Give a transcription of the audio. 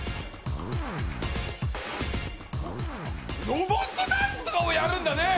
ロボットダンスとかもやるんだね。